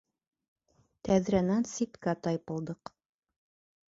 Тәҙрәнән ситкә тайпылдыҡ.